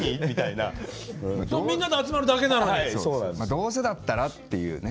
どうせだったらっていうね。